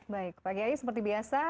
baik pak kiai seperti biasa